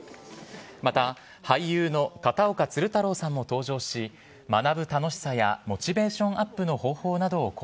また、俳優の片岡鶴太郎さんも登場し、学ぶ楽しさやモチベーションアップの方法などを講